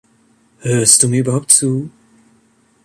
Hörst du mir überhaupt zu.